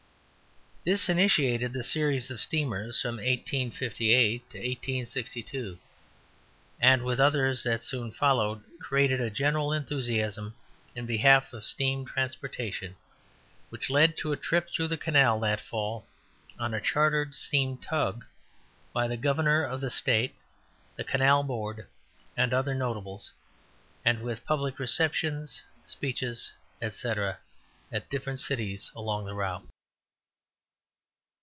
This initiated the series of steamers from 1858 to 1862, and, with others that soon followed, created a general enthusiasm in behalf of steam transportation, which led to a trip through the canal that fall, on a chartered steam tug, by the Governor of the State, the Canal Board, and other notables, and with public receptions, speeches, &c., at different cities along the route.